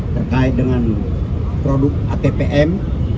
terkait dengan produk atpm